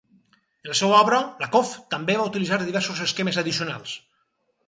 En la seva obra, Lakoff també va utilitzar diversos esquemes addicionals.